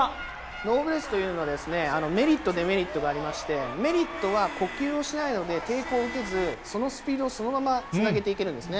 ノーブレスというのはメリット、デメリットがありまして、メリットは、呼吸をしないので、抵抗を受けず、そのスピードをそのままつなげていけるんですね。